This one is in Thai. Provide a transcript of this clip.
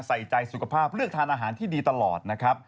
ใส่ใจสุขภาพเลือกทานอาหารที่ดีตลอดนะครับ